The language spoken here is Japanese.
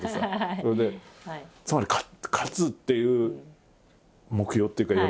それでつまり勝つっていう目標っていうか喜び？